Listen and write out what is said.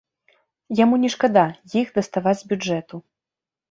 Яму не шкада іх даставаць з бюджэту.